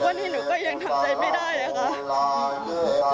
วันนี้หนูก็ยังทำใจไม่ได้นะคะ